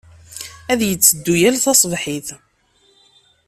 Ad yetteddu yal taṣebḥit.